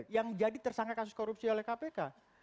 yang jadi tersangka kasus korupsi oleh kpk